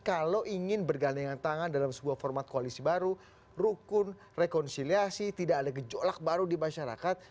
kalau ingin bergandingan tangan dalam sebuah format koalisi baru rukun rekonsiliasi tidak ada gejolak baru di masyarakat